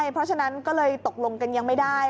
เพราะฉะนั้นก็เลยตกลงกันยังไม่ได้